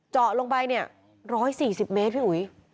เจาะลงไปเนี้ยร้อยสี่สิบเมตรพี่อุ๊ย